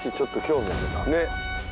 ねっ。